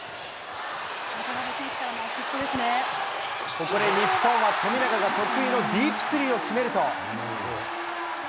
ここで日本は富永が得意のディープスリーを決めると。